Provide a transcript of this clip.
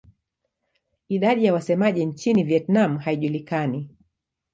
Idadi ya wasemaji nchini Vietnam haijulikani.